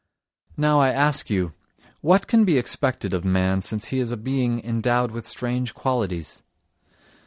Now I ask you: what can be expected of man since he is a being endowed with strange qualities?